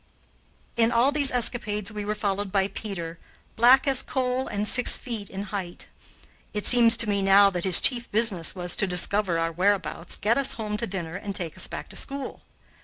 In all these escapades we were followed by Peter, black as coal and six feet in height. It seems to me now that his chief business was to discover our whereabouts, get us home to dinner, and take us back to school.